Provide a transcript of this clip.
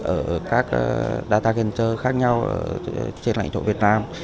ở các data center khác nhau trên lãnh thổ việt nam